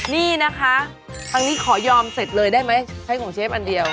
นี่นะคะทางนี้ขอยอมเสร็จเลยได้ไหมใช้ของเชฟอันเดียว